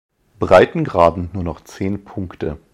Breitengraden nur noch zehn Punkte.